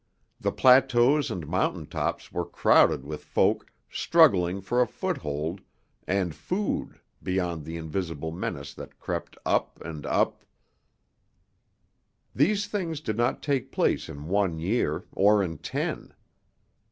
The plateaus and mountaintops were crowded with folk struggling for a foothold and food beyond the invisible menace that crept up, and up These things did not take place in one year, or in ten.